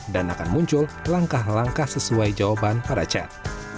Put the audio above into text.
dan akan muncul langkah langkah sesuai jawaban pada chat